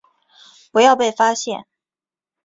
不要被发现